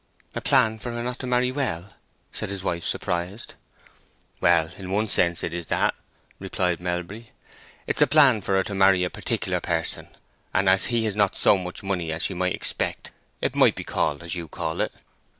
"A plan for her not to marry well?" said his wife, surprised. "Well, in one sense it is that," replied Melbury. "It is a plan for her to marry a particular person, and as he has not so much money as she might expect, it might be called as you call it.